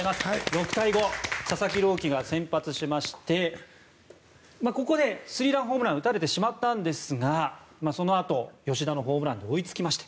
６対５、佐々木朗希が先発しましてここでスリーランホームラン打たれてしまったんですがそのあと、吉田のホームランで追いつきました。